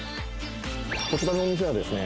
こちらのお店はですね